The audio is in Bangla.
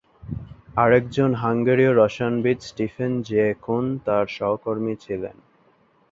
আরেকজন হাঙ্গেরীয় রসায়নবিদ স্টিফেন জে কুন তার সহকর্মী ছিলেন।